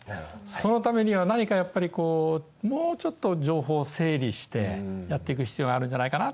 そのためには何かやっぱりこうもうちょっと情報を整理してやっていく必要があるんじゃないかなっていうふうに思いました。